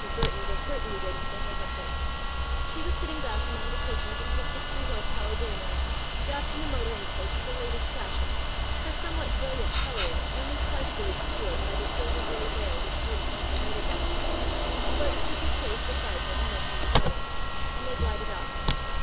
Mrs. Burton was certainly waiting for her husband. She was sitting back among the cushions of her Sixty horse power Daimler, wrapped in a motoring coat of the latest fashion, her somewhat brilliant coloring only partially obscured by the silver gray veil which drooped from her motor bonnet. Burton took his place beside her almost in silence, and they glided off.